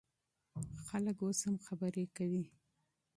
خلک اوس هم خبرې کوي.